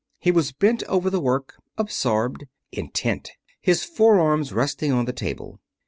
He was bent over the work, absorbed, intent, his forearms resting on the table.